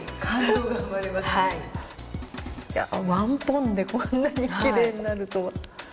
１ポンでこんなにきれいになるとは。